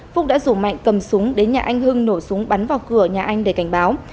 phúc đã rủ mạnh cầm súng đến nhà anh hưng nổ súng bắn vào cửa nhà anh để cảnh báo